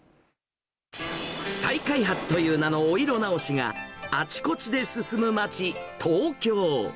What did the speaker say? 再開発という名のお色直しがあちこちで進む街、東京。